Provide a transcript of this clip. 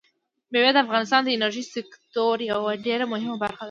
مېوې د افغانستان د انرژۍ سکتور یوه ډېره مهمه برخه ده.